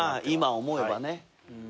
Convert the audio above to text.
今思えばね。